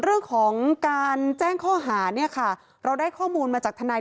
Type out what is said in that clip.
เรื่องของการแจ้งข้อหาเนี่ยค่ะเราได้ข้อมูลมาจากทนาย